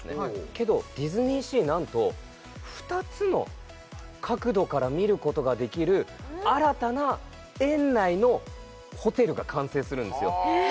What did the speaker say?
けどディズニーシーなんと２つの角度から見ることができる新たな園内のホテルが完成するんですよ